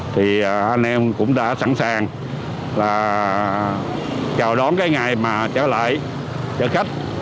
thì anh em cũng đã sẵn sàng là chào đón cái ngày mà trở lại cho khách